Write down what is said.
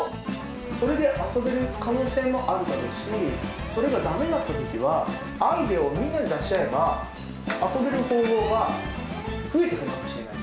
それで遊べる可能性もあるだろうし、それがだめだったときは、アイデアをみんなで出し合えば、遊べる方法が増えてくるかもしれない。